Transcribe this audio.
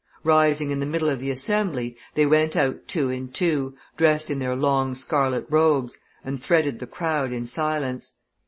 Rising in the middle of the assembly, they went out two and two, dressed in their long scarlet robes, and threaded the crowd in silence.